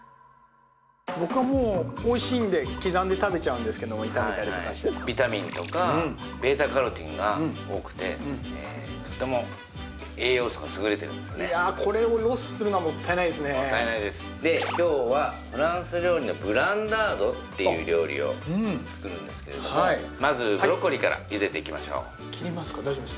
僕はもうおいしいんで刻んで食べちゃうんですけども炒めたりとかしてビタミンとかβカロテンが多くてとても栄養素がすぐれてるんですねもったいないですで今日はフランス料理のブランダードっていう料理を作るんですけれどもまずブロッコリーからゆでていきましょう切りますか？